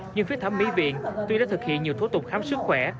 nhưng phía thẩm mỹ viện tuy đã thực hiện nhiều thủ tục khám sức khỏe